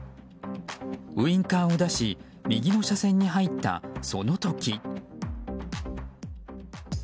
ウィンカーを出し右の車線に入ったその時。